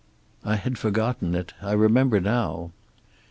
"I had forgotten it. I remember now."